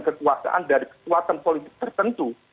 kekuasaan dari kekuatan politik tertentu